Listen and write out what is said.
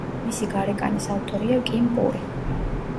მისი გარეკანის ავტორია კიმ პური.